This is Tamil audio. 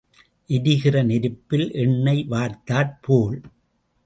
எரிகிற நெருப்பில் எண்ணெய் வார்த்தாற் போல்.